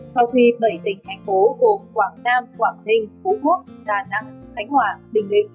sau khi bảy tỉnh thành phố gồm quảng nam quảng ninh phú quốc đà nẵng khánh hòa bình định